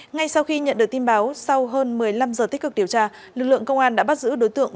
ngay sau khi nhận được tin báo sau hơn một mươi năm giờ tích cực điều tra lực lượng công an đã bắt giữ đối tượng